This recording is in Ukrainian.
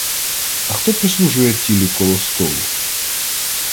— А хто прислужує Аттілі коло столу?